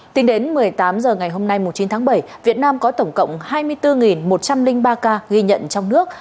tính đến một mươi tám h ngày hôm nay chín tháng bảy việt nam có tổng cộng hai mươi bốn một trăm linh ba ca ghi nhận trong nước